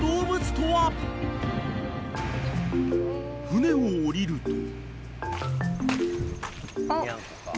［船を降りると］